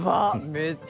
めっちゃ。